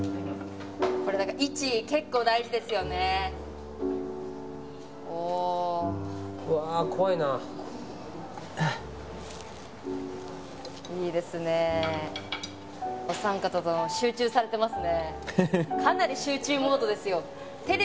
これ位置結構大事ですよねおおいいですねお三方とも集中されてますね